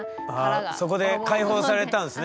そこで解放されたんですね。